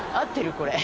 これ。